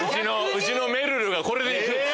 うちのめるるがこれでいくって。